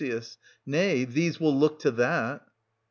Nay, these will look to that.